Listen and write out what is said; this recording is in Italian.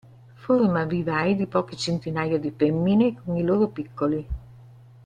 Forma vivai di poche centinaia di femmine con i loro piccoli.